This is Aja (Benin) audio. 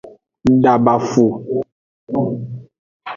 Dabafu.